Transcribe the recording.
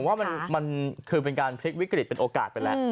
ว่ามันคือเป็นการพลิกวิกฤตเป็นโอกาสไปแล้ว